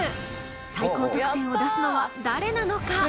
最高得点を出すのは誰なのか？